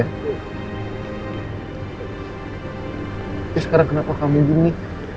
tapi sekarang kenapa kamu gini